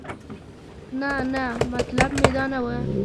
نه نه مطلب مې دا نه و.